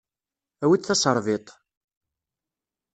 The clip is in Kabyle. Awi-d taserfiṭ.